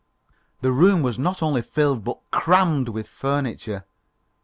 The room was not only filled, but crammed, with furniture.